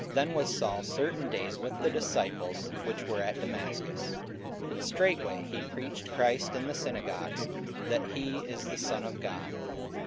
Then was Saul certain days with the disciples which were at Damascus. 44:009:020 And straightway he preached Christ in the synagogues, that he is the Son of God.